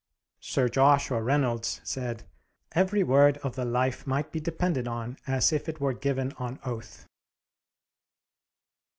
Sir Joshua Reynolds said, "Every word of the 'Life' might be depended on as if it were given on oath."